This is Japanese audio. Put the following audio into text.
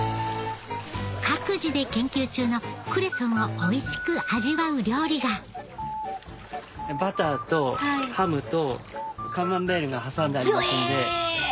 各自で研究中のクレソンをおいしく味わう料理がバターとハムとカマンベールが挟んでありますんで。